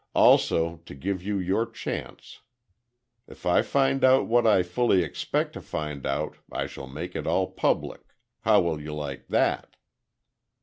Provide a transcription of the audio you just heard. Also, to give you your chance. If I find out what I fully expect to find out I shall make it all public—how will you like that?"